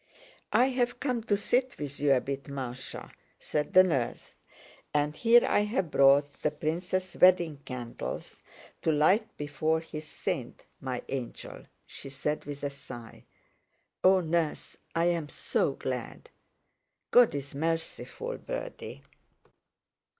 "I've come to sit with you a bit, Másha," said the nurse, "and here I've brought the prince's wedding candles to light before his saint, my angel," she said with a sigh. "Oh, nurse, I'm so glad!" "God is merciful, birdie."